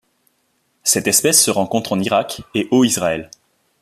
Cette espèce se rencontre en Irak et au Israël.